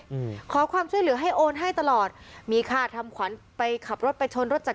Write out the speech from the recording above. อืมขอความช่วยเหลือให้โอนให้ตลอดมีค่าทำขวัญไปขับรถไปชนรถจาก